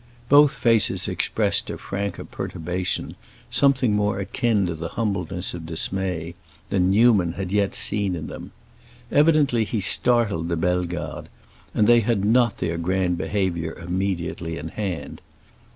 Both faces expressed a franker perturbation, something more akin to the humbleness of dismay, than Newman had yet seen in them. Evidently he startled the Bellegardes, and they had not their grand behavior immediately in hand.